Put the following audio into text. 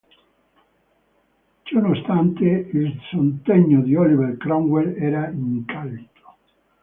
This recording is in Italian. Ciononostante il sostegno di Oliver Cromwell era incallito.